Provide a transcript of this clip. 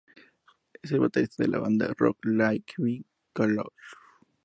Es el baterista de la banda de "rock" Living Colour.